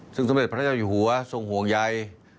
ซึ่งสมเด็จพระเจ้าอยู่หัวทรงห่วงใย